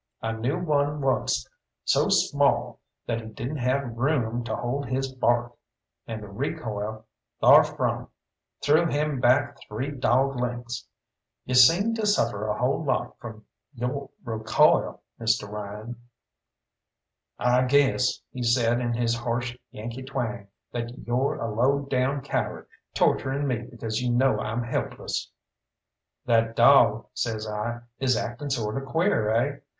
I knew one onced so small that he hadn't room to hold his bark and the recoil tharfrom threw him back three dawg lengths. You seem to suffer a whole lot from yo' recoil, Mr. Ryan." "I guess," he said in his harsh Yankee twang, "that you're a low down coward torturing me because you know I'm helpless." "That dawg," says I, "is acting sort of queer, eh?